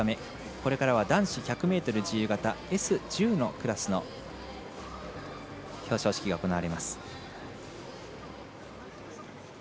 これからは男子１００ｍ自由形Ｓ１０のクラスの表彰式が行われます。